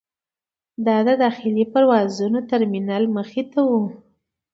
د داخلي پروازونو ترمینل مخې ته و.